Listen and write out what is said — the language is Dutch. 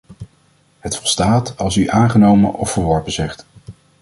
Het volstaat als u "aangenomen” of "verworpen” zegt.